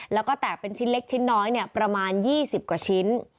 แล้วก็แตกเป็นชิ้นเล็กชิ้นน้อยเนี่ยประมาณยี่สิบกว่าชิ้น